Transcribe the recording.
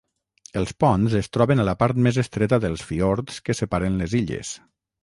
Els ponts es troben a la part més estreta dels fiords que separen les illes.